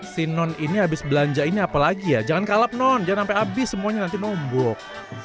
si non ini habis belanja ini apalagi ya jangan kalap non jangan sampai habis semuanya nanti numbuk